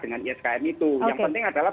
dengan iskm itu yang penting adalah